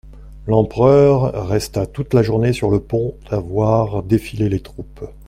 L'empereur resta toute la journée sur le pont à voir défiler les troupes.